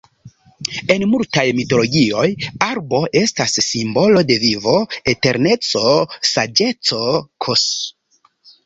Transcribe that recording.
En multaj mitologioj arbo estas simbolo de vivo, eterneco, saĝeco, ks.